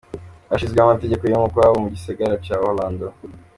Hashizweho amategeko y'umukwabu mu gisagara ca Orlando.